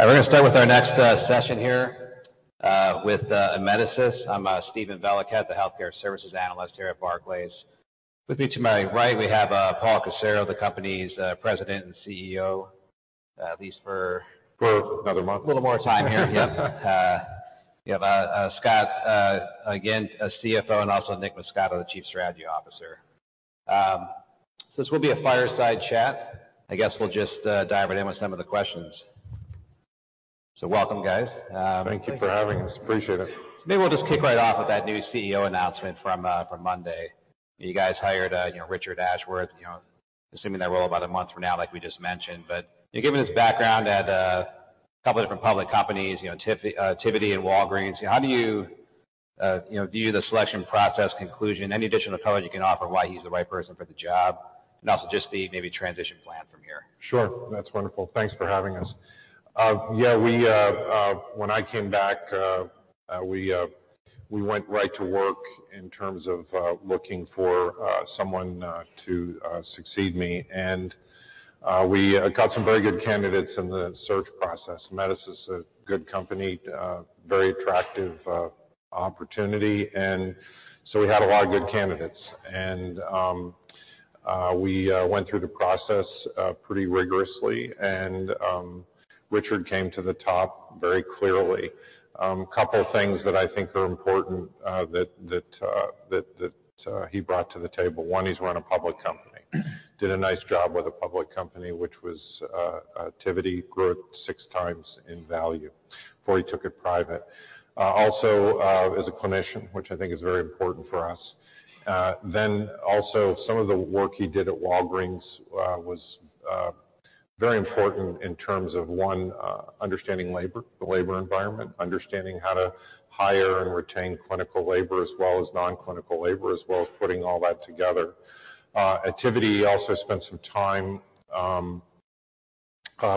All right, we're gonna start with our next session here with Amedisys. I'm Steven Valiquette, the healthcare services analyst here at Barclays. With me to my right, we have Paul Kusserow, the company's President and CEO. For another month. A little more time here. We have Scott Ginn, CFO, and also Nick Muscato, the Chief Strategy Officer. This will be a fireside chat. I guess we'll just dive right in with some of the questions. Welcome, guys. Thank you for having us. Appreciate it. Maybe we'll just kick right off with that new CEO announcement from Monday. You guys hired, you know, Richard Ashworth, you know, assuming that role about a month from now, like we just mentioned. Given his background at a couple different public companies, you know, Tivity Health and Walgreens, how do you know view the selection process conclusion, any additional color you can offer, why he's the right person for the job, and also just the maybe transition plan from here? Sure. That's wonderful. Thanks for having us. When I came back, we went right to work in terms of looking for someone to succeed me. We got some very good candidates in the search process. Amedisys is a good company, very attractive opportunity. We had a lot of good candidates, we went through the process pretty rigorously, Richard came to the top very clearly. A couple of things that I think are important that he brought to the table. One, he's run a public company. Did a nice job with a public company, which was Tivity, grew it six times in value before he took it private. Also is a clinician, which I think is very important for us. Then also some of the work he did at Walgreens was very important in terms of, one, understanding labor, the labor environment, understanding how to hire and retain clinical labor as well as non-clinical labor, as well as putting all that together. At Tivity, he also spent some time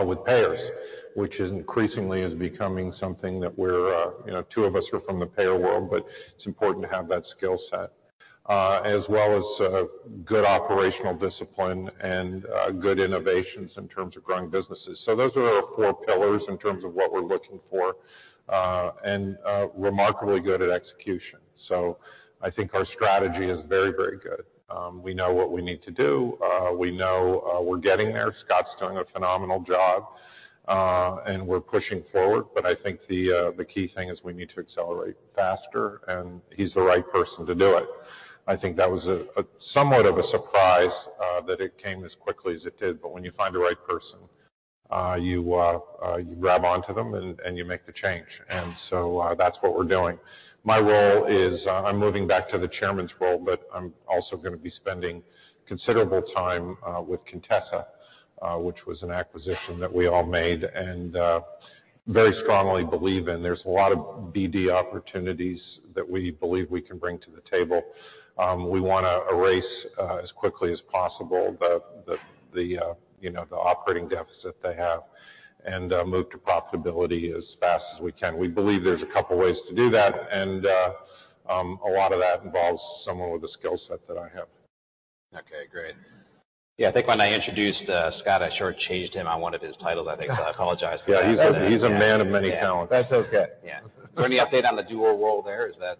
with payers, which increasingly is becoming something that we're, you know, two of us are from the payer world, but it's important to have that skill set, as well as good operational discipline and good innovations in terms of growing businesses. Those are our four pillars in terms of what we're looking for, and remarkably good at execution. I think our strategy is very, very good. We know what we need to do. We know, we're getting there. Scott's doing a phenomenal job, and we're pushing forward. I think the key thing is we need to accelerate faster, and he's the right person to do it. I think that was a, somewhat of a surprise, that it came as quickly as it did. When you find the right person, you grab onto them and you make the change. That's what we're doing. My role is I'm moving back to the chairman's role, but I'm also gonna be spending considerable time with Contessa, which was an acquisition that we all made and, very strongly believe in. There's a lot of BD opportunities that we believe we can bring to the table. We wanna erase as quickly as possible the, you know, the operating deficit they have and move to profitability as fast as we can. We believe there's a couple ways to do that, and a lot of that involves someone with the skill set that I have. Great. I think when I introduced Scott, I short changed him on one of his titles, I think, so I apologize for that. Yeah, he's a man of many talents. That's okay. Yeah. Any update on the dual role there? Is that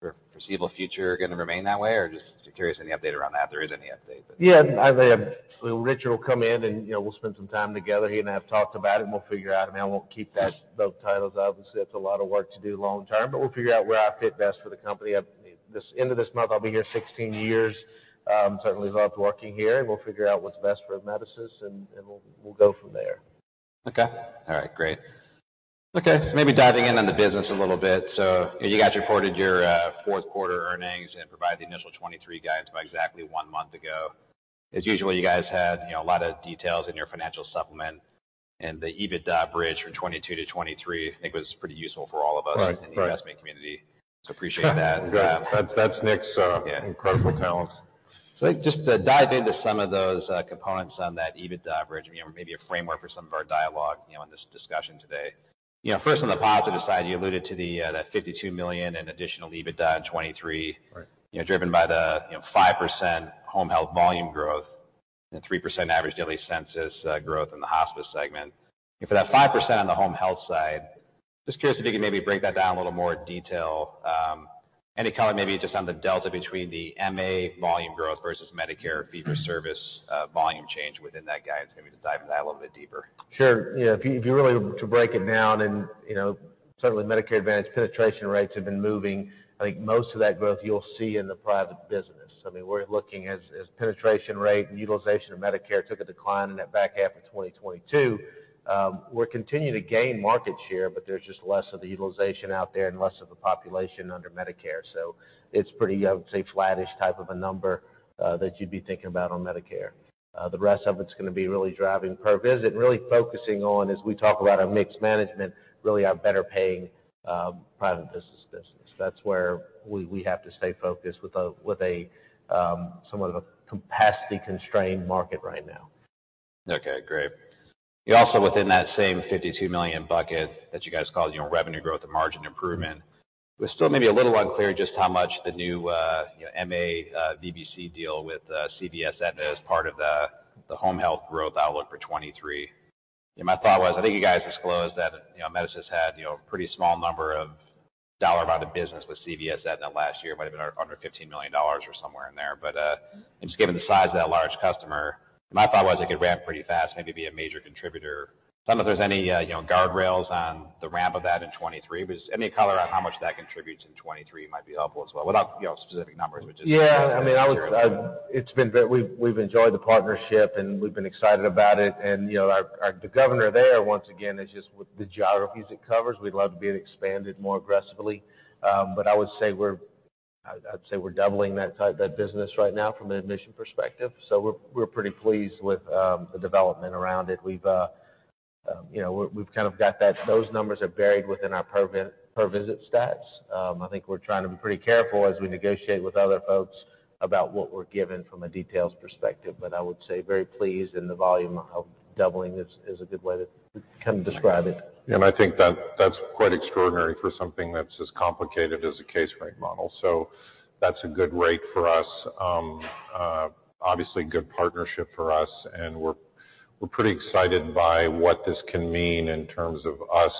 for foreseeable future gonna remain that way or just curious any update around that, if there is any update? Richard will come in and, you know, we'll spend some time together. He and I have talked about it, and we'll figure out. I mean, I won't keep that, both titles. Obviously, that's a lot of work to do long term, but we'll figure out where I fit best for the company. At this end of this month, I'll be here 16 years. Certainly loved working here, and we'll figure out what's best for Amedisys, and we'll go from there. Okay. All right, great. Okay, maybe diving in on the business a little bit. You guys reported your fourth quarter earnings and provided the initial 2023 guidance about exactly one month ago. As usual, you guys had, you know, a lot of details in your financial supplement, and the EBITDA bridge from 2022- 2023, I think, was pretty useful for all of us. Right. In the investment community, so appreciate that. That's Nick's. Yeah. incredible talents. Just to dive into some of those components on that EBITDA bridge, you know, maybe a framework for some of our dialogue, you know, in this discussion today. You know, first, on the positive side, you alluded to the that $52 million in additional EBITDA in 2023. Right. You know, driven by the, you know, 5% home health volume growth and 3% average daily census growth in the hospice segment. For that 5% on the home health side, just curious if you could maybe break that down a little more detail, any color maybe just on the delta between the MA volume growth versus Medicare fee for service volume change within that guidance. Maybe just dive into that a little bit deeper. Sure. Yeah, if you really to break it down and, you know, certainly Medicare Advantage penetration rates have been moving. I think most of that growth you'll see in the private business. I mean, we're looking as penetration rate and utilization of Medicare took a decline in that back half of 2022. We're continuing to gain market share, but there's just less of the utilization out there and less of a population under Medicare. It's pretty, I would say, flattish type of a number that you'd be thinking about on Medicare. The rest of it's gonna be really driving per visit and really focusing on, as we talk about our mixed management, really our better paying private business business. That's where we have to stay focused with a, with a somewhat of a capacity constrained market right now. Okay, great. Also within that same $52 million bucket that you guys call, you know, revenue growth and margin improvement. We're still maybe a little unclear just how much the new, you know, MA, VBC deal with CVS Aetna as part of the home health growth outlook for 2023. My thought was, I think you guys disclosed that, you know, Amedisys had, you know, a pretty small number of dollar amount of business with CVS Aetna in the last year. It might have been under $15 million or somewhere in there. Just given the size of that large customer, my thought was it could ramp pretty fast, maybe be a major contributor. I don't know if there's any, you know, guardrails on the ramp of that in 2023. Any color on how much that contributes in 2023 might be helpful as well. Without, you know, specific numbers, which is. Yeah, I mean, we've enjoyed the partnership, and we've been excited about it. You know, the governor there once again is just with the geographies it covers, we'd love to be expanded more aggressively. I'd say we're doubling that business right now from an admission perspective. We're pretty pleased with the development around it. We've, you know, we've kind of got that. Those numbers are buried within our per visit stats. I think we're trying to be pretty careful as we negotiate with other folks about what we're given from a details perspective. I would say very pleased, and the volume of doubling is a good way to kind of describe it. I think that's quite extraordinary for something that's as complicated as a case rate model. That's a good rate for us. obviously good partnership for us, and we're pretty excited by what this can mean in terms of us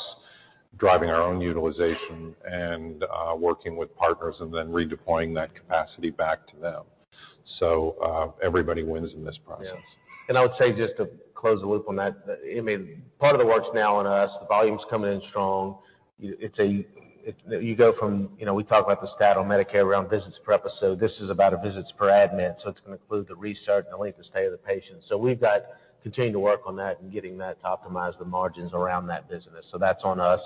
driving our own utilization and working with partners and then redeploying that capacity back to them. Everybody wins in this process. Yeah. I would say, just to close the loop on that, I mean, part of the work's now on us. The volume's coming in strong. It's If you go from, you know, we talk about the stat on Medicare around visits per episode. This is about visits per admin, so it's gonna include the research and the length of stay of the patient. We've got to continue to work on that and getting that to optimize the margins around that business. That's on us.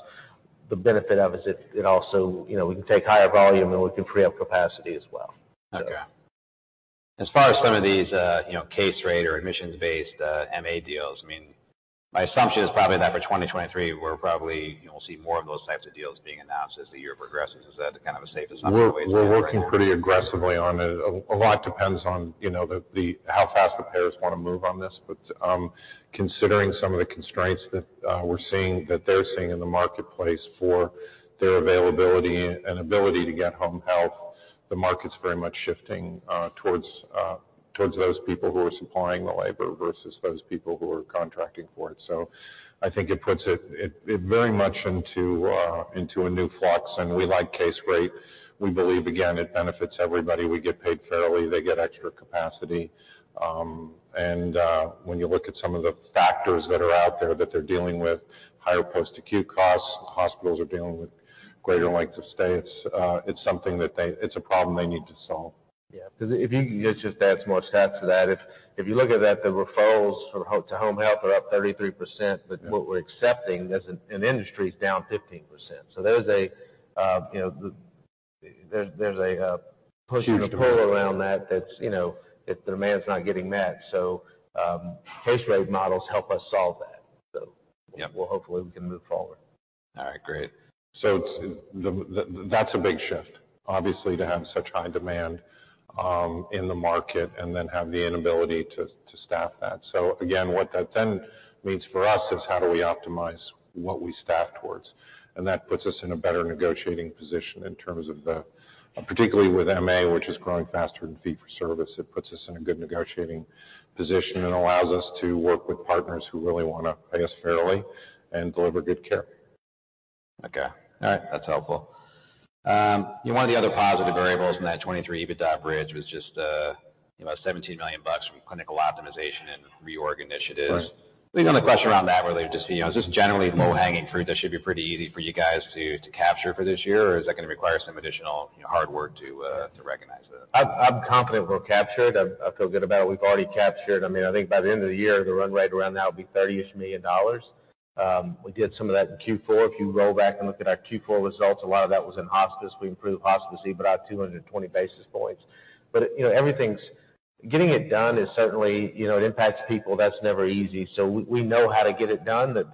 The benefit of is it also, you know, we can take higher volume, and we can free up capacity as well. As far as some of these, you know, case rate or admissions-based, MA deals, I mean, my assumption is probably that for 2023, we're probably, you know, we'll see more of those types of deals being announced as the year progresses. Is that kind of a safe assumption? We're working pretty aggressively on it. A lot depends on, you know, the how fast the payers wanna move on this. Considering some of the constraints that we're seeing that they're seeing in the marketplace for their availability and ability to get home health, the market's very much shifting towards those people who are supplying the labor versus those people who are contracting for it. I think it puts it very much into a new flux. We like case rate. We believe, again, it benefits everybody. We get paid fairly. They get extra capacity. When you look at some of the factors that are out there that they're dealing with, higher post-acute costs, hospitals are dealing with greater lengths of stay. It's something that it's a problem they need to solve. Yeah. If you could just add some more stats to that. If you look at that, the referrals for the home health are up 33%. Yeah. What we're accepting as an industry is down 15%. There's a, you know, there's a. Huge demand. Push and a pull around that. That's, you know, if demand's not getting met. case rate models help us solve that. Yeah. Well, hopefully, we can move forward. All right. Great. That's a big shift, obviously, to have such high demand in the market and then have the inability to staff that. Again, what that then means for us is how do we optimize what we staff towards. That puts us in a better negotiating position in terms of particularly with MA, which is growing faster than fee for service. It puts us in a good negotiating position and allows us to work with partners who really wanna pay us fairly and deliver good care. Okay. All right. That's helpful. One of the other positive variables in that 2023 EBITDA bridge was just, you know, $17 million from clinical optimization and reorg initiatives. Right. I think the question around that really just, you know, is this generally low-hanging fruit that should be pretty easy for you guys to capture for this year? Is that gonna require some additional hard work to recognize that? I'm confident we'll capture it. I feel good about it. We've already captured. I mean, I think by the end of the year, the run rate around that will be $30-ish million. We did some of that in Q4. If you roll back and look at our Q4 results, a lot of that was in hospice. We improved hospice EBITDA 220 basis points. You know, everything's getting it done is certainly, you know, it impacts people. That's never easy. We know how to get it done, but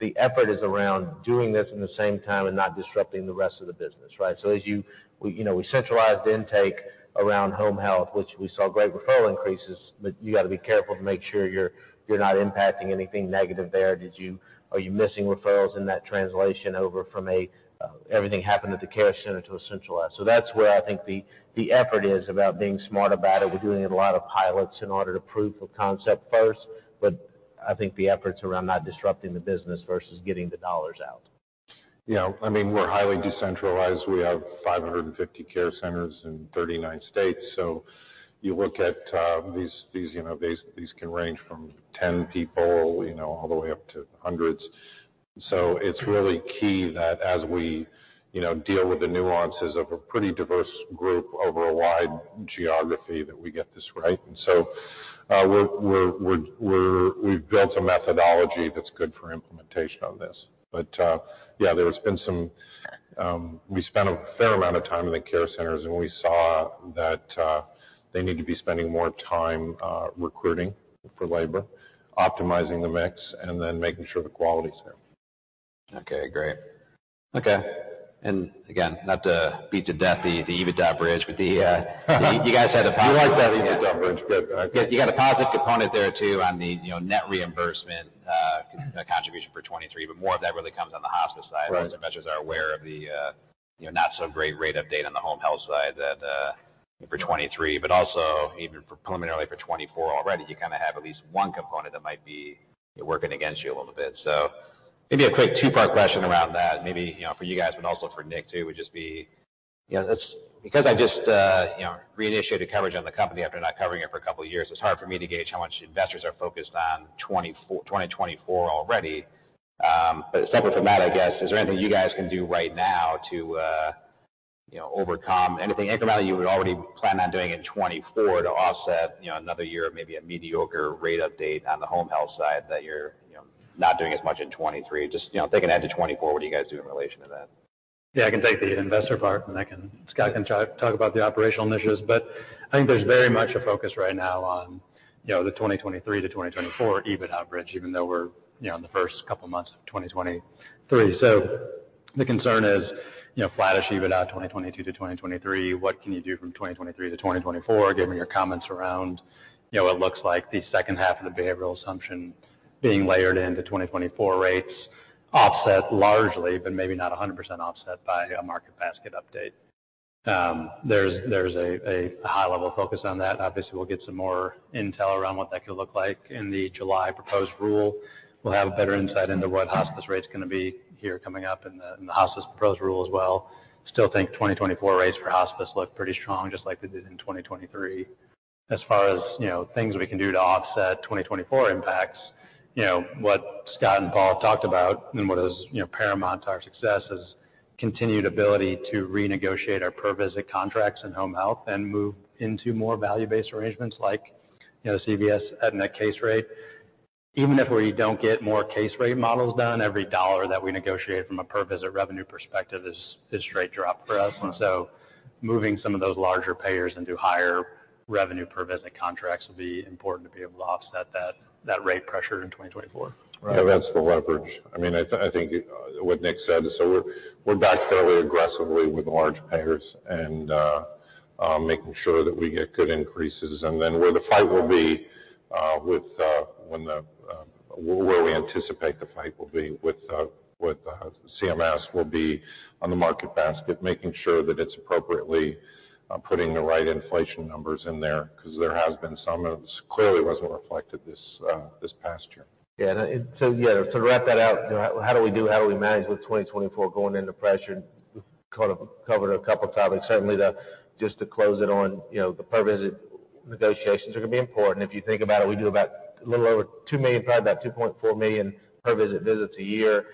the effort is around doing this in the same time and not disrupting the rest of the business, right? As you know, we centralized intake around home health, which we saw great referral increases, but you gotta be careful to make sure you're not impacting anything negative there. Are you missing referrals in that translation over from a, everything happened at the care center to a centralized. That's where I think the effort is about being smart about it. We're doing a lot of pilots in order to proof of concept first, I think the effort's around not disrupting the business versus getting the dollars out. You know, I mean, we're highly decentralized. We have 550 care centers in 39 states. You look at these can range from 10 people, you know, all the way up to hundreds. It's really key that as we, you know, deal with the nuances of a pretty diverse group over a wide geography that we get this right. We've built a methodology that's good for implementation on this. Yeah, there's been some, we spent a fair amount of time in the care centers, and we saw that they need to be spending more time recruiting for labor, optimizing the mix, and then making sure the quality is there. Okay. Great. Okay. again, not to beat to death the EBITDA bridge, but the You guys had a positive. You like that EBITDA bridge, but. Yes. You got a positive component there too on the you know, net reimbursement contribution for 2023. More of that really comes on the hospice side. Right. As investors are aware of the, you know, not so great rate update on the home health side that, for 2023, but also even preliminarily for 2024 already, you kinda have at least one component that might be working against you a little bit. Maybe a quick two-part question around that, maybe, you know, for you guys, but also for Nick too, would just be, you know, that's because I just, you know, reissued a coverage on the company after not covering it for a couple of years, it's hard for me to gauge how much investors are focused on 2024 already. Separate from that, I guess, is there anything you guys can do right now to, you know, overcome anything incrementally you would already plan on doing in 2024 to offset, you know, another year of maybe a mediocre rate update on the home health side that you're, you know, not doing as much in 2023? Just, you know, thinking ahead to 2024, what are you guys doing in relation to that? Yeah, I can Scott can talk about the operational initiatives. I think there's very much a focus right now on, you know, the 2023-2024 EBITDA bridge, even though we're, you know, in the first couple months of 2023. The concern is, you know, flattish EBITDA 2022-2023. What can you do from 2023-2024? Given your comments around, you know, it looks like the second half of the behavioral assumption being layered into 2024 rates offset largely, but maybe not 100% offset by a market basket update. There's a high level focus on that. Obviously, we'll get some more intel around what that could look like in the July proposed rule. We'll have a better insight into what hospice rate's gonna be here coming up in the, in the hospice proposed rule as well. Still think 2024 rates for hospice look pretty strong, just like they did in 2023. You know, things we can do to offset 2024 impacts, you know, what Scott and Paul talked about and what is, you know, paramount to our success is continued ability to renegotiate our per-visit contracts in home health and move into more value-based arrangements like, you know, CVS Aetna case rate. Even if we don't get more case rate models done, every dollar that we negotiate from a per-visit revenue perspective is straight drop for us. Moving some of those larger payers into higher revenue per-visit contracts will be important to be able to offset that rate pressure in 2024. Right. Yeah, that's the leverage. I mean, I think what Nick said. We're, we're back fairly aggressively with large payers and making sure that we get good increases. Where we anticipate the fight will be with CMS will be on the market basket, making sure that it's appropriately putting the right inflation numbers in there because there has been some. It clearly wasn't reflected this this past year. To wrap that out, how do we manage with 2024 going into pressure? We've kind of covered a couple topics. Certainly, just to close it on, you know, the per visit negotiations are going to be important. If you think about it, we do about a little over 2 million, probably about 2.4 million per visit visits a year.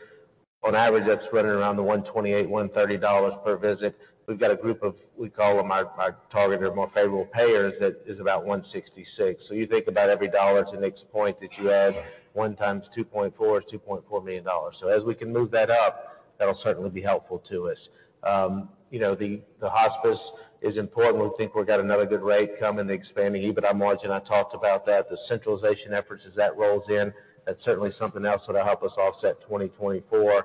On average, that's running around the $128-130 per visit. We've got a group of, we call them our target or more favorable payers, that is about $166. You think about every dollar to Nick Muscato's point that you add 1x 2.4 is $2.4 million. As we can move that up, that will certainly be helpful to us. You know, the hospice is important. We think we've got another good rate coming to expanding EBITDA margin. I talked about that. The centralization efforts as that rolls in, that's certainly something else that'll help us offset 2024.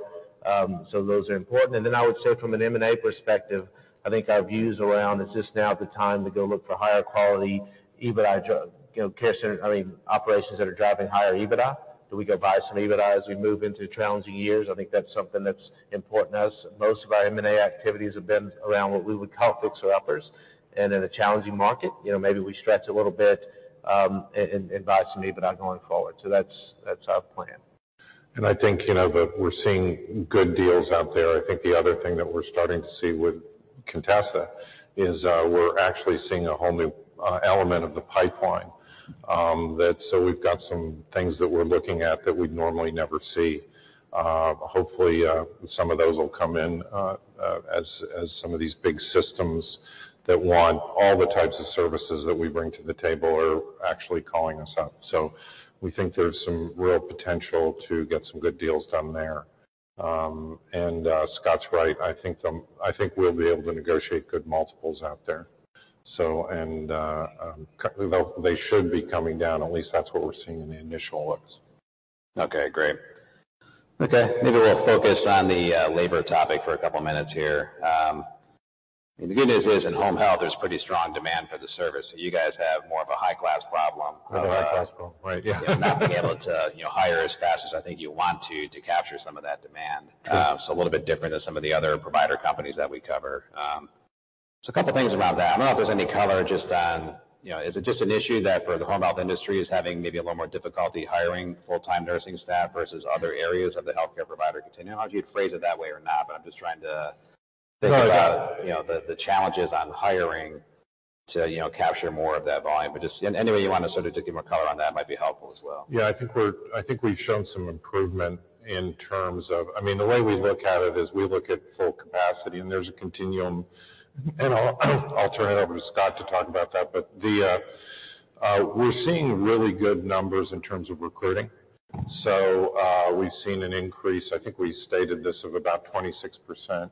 Those are important. I would say from an M&A perspective, I think our views around is this now the time to go look for higher quality EBITDA, you know, I mean, operations that are driving higher EBITDA. Do we go buy some EBITDA as we move into challenging years? I think that's something that's important to us. Most of our M&A activities have been around what we would call fixer uppers. In a challenging market, you know, maybe we stretch a little bit in buying some EBITDA going forward. That's, that's our plan. I think, you know, that we're seeing good deals out there. I think the other thing that we're starting to see with Contessa is, we're actually seeing a whole new element of the pipeline. That so we've got some things that we're looking at that we'd normally never see. Hopefully, some of those will come in as some of these big systems that want all the types of services that we bring to the table are actually calling us up. We think there's some real potential to get some good deals done there. Scott's right. I think we'll be able to negotiate good multiples out there. They should be coming down, at least that's what we're seeing in the initial looks. Okay, great. Maybe we'll focus on the labor topic for a couple minutes here. The good news is in home health, there's pretty strong demand for the service. You guys have more of a high-class problem of. High-class problem, right. Yeah. Of not being able to, you know, hire as fast as I think you want to capture some of that demand. True. A little bit different than some of the other provider companies that we cover. A couple things around that. I don't know if there's any color just on, you know, is it just an issue that for the home health industry is having maybe a little more difficulty hiring full-time nursing staff versus other areas of the healthcare provider continuum? I don't know if you'd phrase it that way or not, but I'm just trying to think about. No, yeah.... you know, the challenges on hiring to, you know, capture more of that volume. Just any way you wanna sort of give more color on that might be helpful as well. I think we've shown some improvement in terms of... I mean, the way we look at it is we look at full capacity, and there's a continuum. I'll turn it over to Scott to talk about that. We're seeing really good numbers in terms of recruiting. We've seen an increase, I think we stated this, of about 26%.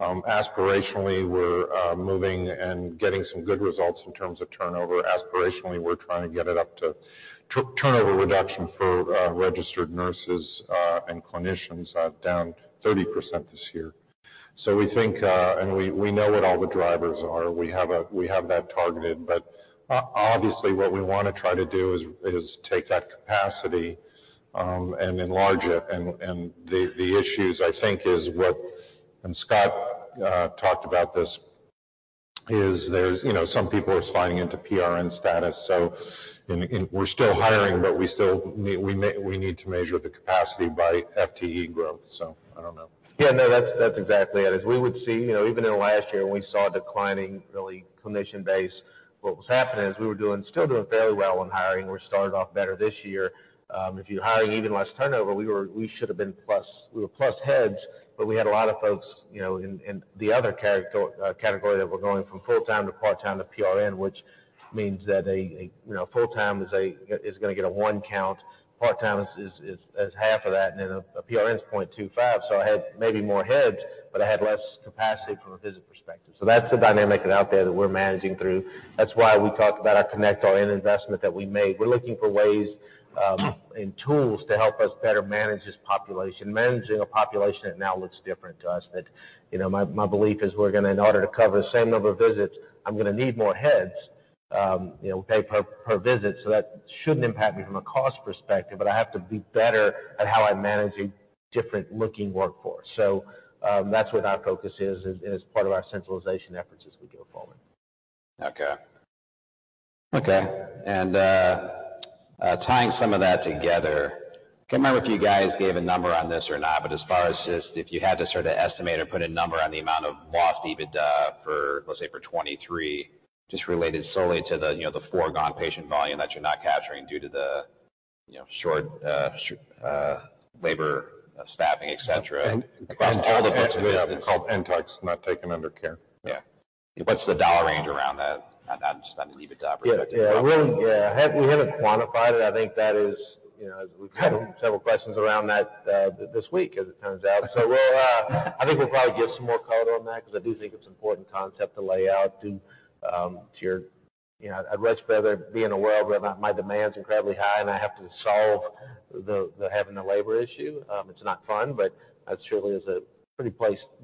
Aspirationally, we're moving and getting some good results in terms of turnover. Aspirationally, we're trying to get it up to turnover reduction for registered nurses. Clinicians are down 30% this year. We think, and we know what all the drivers are. We have that targeted. Obviously, what we wanna try to do is take that capacity and enlarge it. The issues I think is what, and Scott talked about this, is there's, you know, some people are sliding into PRN status. We're still hiring, but we still need to measure the capacity by FTE growth, I don't know. Yeah, no, that's exactly it. As we would see, you know, even in last year when we saw declining really clinician base, what was happening is we were still doing fairly well in hiring. We started off better this year. If you hire even less turnover, we should have been plus. We were plus heads, but we had a lot of folks, you know, in the other category that were going from full-time to part-time to PRN, which means that a, you know, full-time is gonna get a one count, part-time is half of that, and then a PRN is 0.25. I had maybe more heads, but I had less capacity from a visit perspective. That's the dynamic out there that we're managing through. That's why we talk about our Connect All In investment that we made. We're looking for ways and tools to help us better manage this population. Managing a population that now looks different to us. You know, my belief is we're gonna, in order to cover the same number of visits, I'm gonna need more heads, you know, pay per visit, so that shouldn't impact me from a cost perspective, but I have to be better at how I manage a different looking workforce. That's what our focus is part of our centralization efforts as we go forward. Okay. Okay. Tying some of that together, can't remember if you guys gave a number on this or not, but as far as just if you had to sort of estimate or put a number on the amount of lost EBITDA for, let's say for 23, just related solely to the, you know, the foregone patient volume that you're not capturing due to the, you know, short labor staffing, etcetera? It's called NTAC, not taken under care. Yeah. What's the dollar range around that? Not just on an EBITDA perspective. Yeah. We really, yeah, we haven't quantified it. I think that is, you know, as we've had several questions around that this week, as it turns out. We'll, I think we'll probably give some more color on that because I do think it's an important concept to lay out to your. You know, I'd much rather be in a world where my demand's incredibly high and I have to solve the having a labor issue. It's not fun, but that surely is a pretty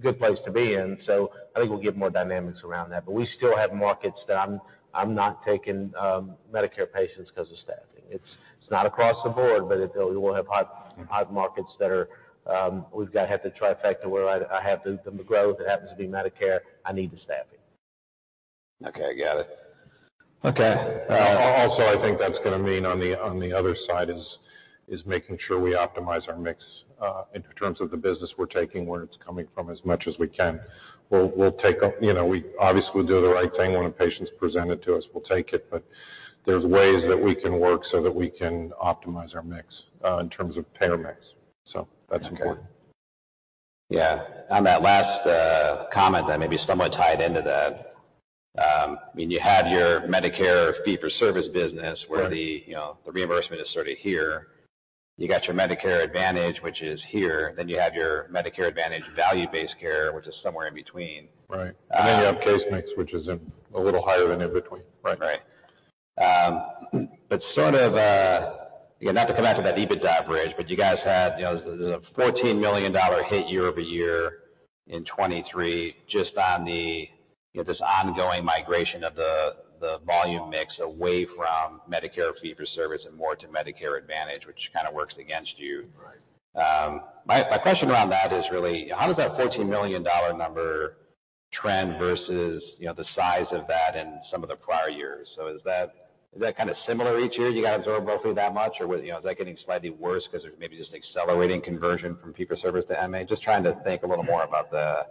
good place to be in. I think we'll give more dynamics around that. We still have markets that I'm not taking Medicare patients because of staffing. It's not across the board, but we'll have hot markets that are, we've got to have the trifecta where I have the growth that happens to be Medicare, I need the staffing. Okay, got it. Okay. I think that's gonna mean on the other side is making sure we optimize our mix, in terms of the business we're taking, where it's coming from as much as we can. We'll take, you know, we obviously will do the right thing when a patient's presented to us, we'll take it. There's ways that we can work so that we can optimize our mix, in terms of payer mix. That's important. On that last comment then, maybe somewhat tied into that, I mean, you had your Medicare fee-for-service business where the, you know, the reimbursement is sort of here. You got your Medicare Advantage, which is here, then you have your Medicare Advantage value-based care, which is somewhere in between. Right. You have case mix, which is in a little higher than in between. Right. sort of, again, not to come back to that EBITDA bridge, but you guys had, you know, the $14 million hit year-over-year in 2023 just on this ongoing migration of volume mix away from Medicare fee-for-service and more to Medicare Advantage, which kind of works against you. Right. My question around that is really how does that $14 million number trend versus, you know, the size of that in some of the prior years? Is that kind of similar each year? You gotta absorb roughly that much or, you know, is that getting slightly worse because there's maybe just an accelerating conversion from fee-for-service to MA? Just trying to think a little more about the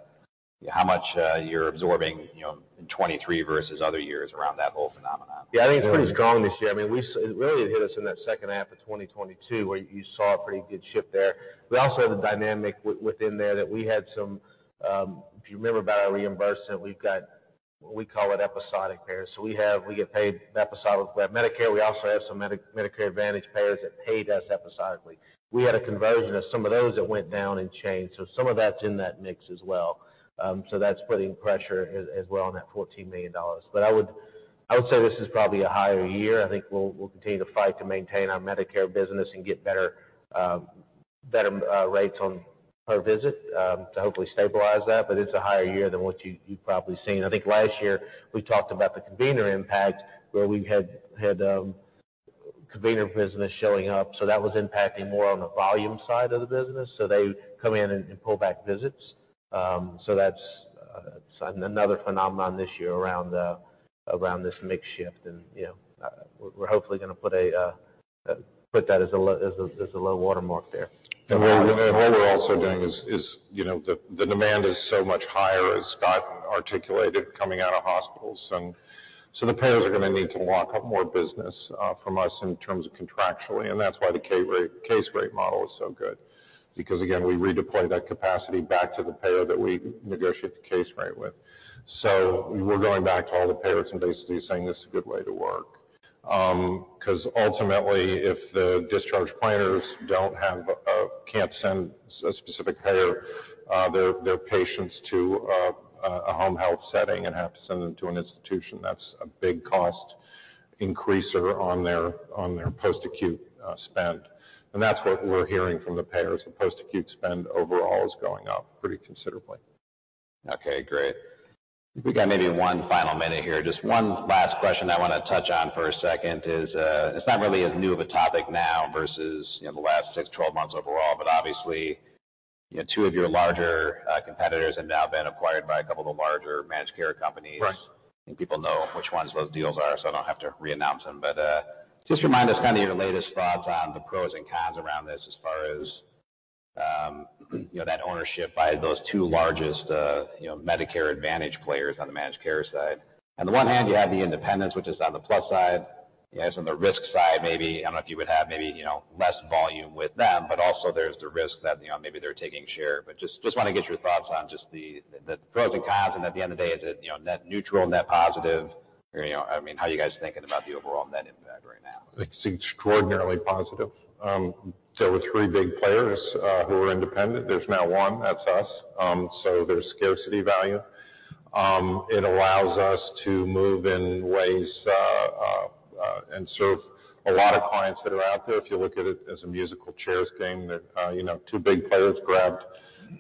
how much you're absorbing, you know, in 23 versus other years around that whole phenomenon. Yeah, I think it's pretty strong this year. I mean, it really hit us in that second half of 2022, where you saw a pretty good shift there. We also had a dynamic within there that we had some, if you remember about our reimbursement, we've got, we call it episodic payers. We get paid episodically. We have Medicare, we also have some Medicare Advantage payers that paid us episodically. We had a conversion of some of those that went down and changed. Some of that's in that mix as well. That's putting pressure as well on that $14 million. I would say this is probably a higher year. I think we'll continue to fight to maintain our Medicare business and get better rates on per visit to hopefully stabilize that. It's a higher year than what you've probably seen. I think last year we talked about the convener impact, where we had convener business showing up, so that was impacting more on the volume side of the business. They come in and pull back visits. So that's another phenomenon this year around this mix shift. You know, we're hopefully gonna put that as a low watermark there. What we're also doing is, you know, the demand is so much higher, as Scott articulated, coming out of hospitals. The payers are gonna need to lock up more business from us in terms of contractually, and that's why the case rate model is so good. We redeploy that capacity back to the payer that we negotiate the case rate with. We're going back to all the payers and basically saying, "This is a good way to work." 'Cause ultimately, if the discharge planners can't send their patients to a home health setting and have to send them to an institution. That's a big cost increaser on their post-acute spend. That's what we're hearing from the payers. The post-acute spend overall is going up pretty considerably. Okay, great. We got maybe one final minute here. Just one last question I wanna touch on for a second is, it's not really as new of a topic now versus, you know, the last six, 12 months overall. Obviously, you know, two of your larger, competitors have now been acquired by a couple of the larger managed care companies. Right. People know which ones those deals are, so I don't have to re-announce them. Just remind us kinda your latest thoughts on the pros and cons around this as far as, you know, that ownership by those two largest, you know, Medicare Advantage players on the managed care side. On the one hand, you have the independence, which is on the plus side. On the risk side, maybe, I don't know if you would have maybe, you know, less volume with them, but also there's the risk that, you know, maybe they're taking share. Just wanna get your thoughts on just the pros and cons, and at the end of the day, is it, you know, net neutral, net positive? How are you guys thinking about the overall net impact right now? It's extraordinarily positive. There were three big players who were independent. There's now one, that's us. There's scarcity value. It allows us to move in ways and serve a lot of clients that are out there. If you look at it as a musical chairs game that, you know, two big players grabbed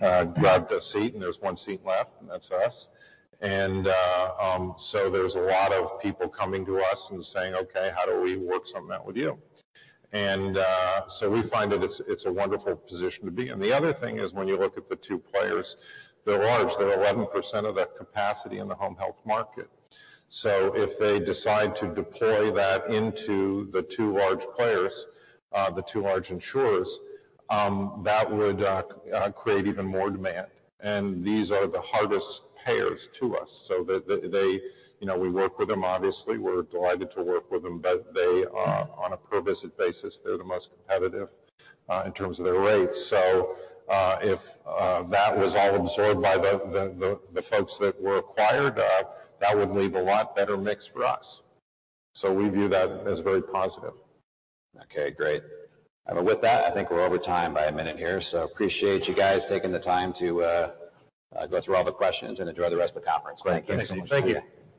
a seat, and there's one seat left, and that's us. There's a lot of people coming to us and saying, "Okay, how do we work something out with you?" We find that it's a wonderful position to be in. The other thing is when you look at the two players, they're large. They're 11% of the capacity in the home health market. If they decide to deploy that into the two large players, the two large insurers, that would create even more demand. These are the hardest payers to us. They, you know, we work with them, obviously. We're delighted to work with them. They are on a per visit basis, they're the most competitive in terms of their rates. If that was all absorbed by the folks that were acquired, that would leave a lot better mix for us. We view that as very positive. Okay, great. With that, I think we're over time by one minute here. Appreciate you guys taking the time to go through all the questions and enjoy the rest of the conference. Thank you. Great. Thank you so much. Thank you.